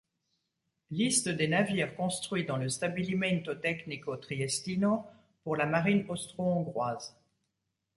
Liste des navires construit dans le Stabilimento Tecnico Triestino pour la Marine austro-hongroise.